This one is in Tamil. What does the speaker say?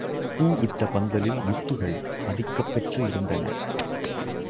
பூ இட்ட பந்தலில் முத்துகள் பதிக்கப் பெற்று இருந்தன.